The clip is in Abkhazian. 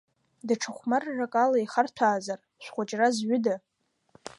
Даҽа хәмаррак ала ихарҭәаазар шәхәыҷра зҩыда.